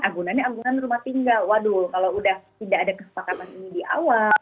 agunannya anggunan rumah tinggal waduh kalau sudah tidak ada kesepakatan ini di awal